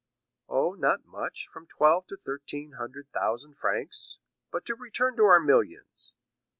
"Oh, not much—from twelve to thirteen hundred thousand francs. But to return to our millions."